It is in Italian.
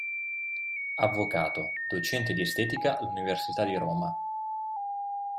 Avvocato, docente di Estetica all'Università di Roma.